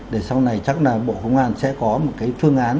để sau này chắc là bộ công an sẽ có một cái phương án